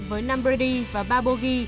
với năm birdie và ba bogey